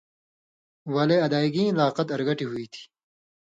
ولے ادائیگیں لاقَت اَرگٹیۡ ہُوئ تھی۔